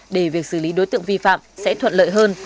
để việc xử lý đối tượng vi phạm sẽ thuận lợi hơn